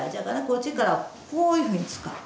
こっちからこういうふうに使う。